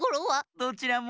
どちらも。